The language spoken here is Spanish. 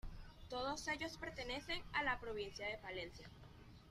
Todos ellos pertenecen a la provincia de Palencia.